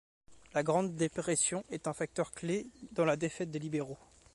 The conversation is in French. La Grande Dépression est un facteur clé dans la défaite des libéraux.